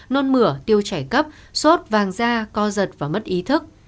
nôn mửa tiêu chảy cấp sốt vàng da co giật và mất ý thức